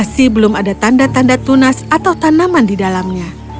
masih belum ada tanda tanda tunas atau tanaman di dalamnya